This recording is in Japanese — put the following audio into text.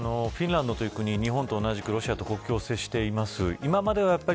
フィンランドという国は日本と同じくロシアと国境に接しています。